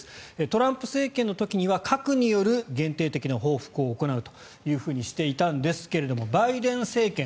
トランプ政権の時には核による限定的な報復を行うとしていたんですがバイデン政権